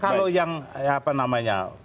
kalau yang apa namanya